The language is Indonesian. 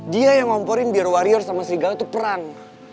dia yang ngomporin biar wario sama serigala itu perang